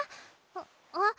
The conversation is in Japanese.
あっ。